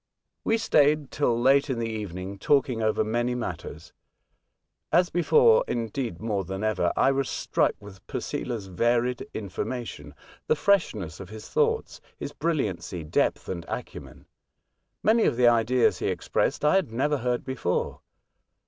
We stayed till late in the evening talking over many matters. As before, — indeed, more than ever, — I was struck with Posela's varied information, the freshness of his thoughts, his brilliancy, depth, and acumen. Many of the ideas he expressed I had never heard before.